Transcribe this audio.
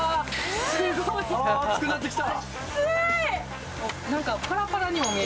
暑くなってきた。